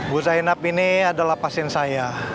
bu zainap ini adalah pasien saya